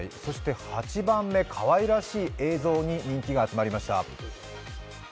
８番目、かわいらしい映像に人気が集まりました。